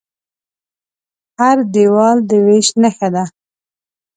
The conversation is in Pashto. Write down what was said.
هر دیوال د وېش نښه ده.